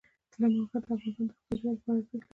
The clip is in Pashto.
سلیمان غر د افغانستان د اقتصادي ودې لپاره ارزښت لري.